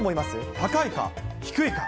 高いか、低いか。